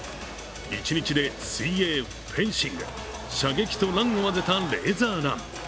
一日で水泳、フェンシング、射撃とランを混ぜたレーザーラン。